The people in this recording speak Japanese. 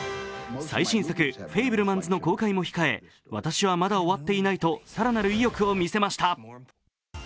最新作「フェイブルマンズ」の公開も控え、私はまだ終わっていないと更なる意欲を見せました。